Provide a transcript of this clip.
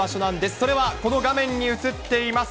それはこの画面に映っています。